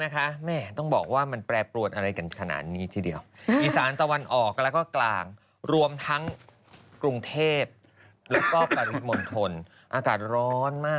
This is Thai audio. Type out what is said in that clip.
ความประทับใจนะใช่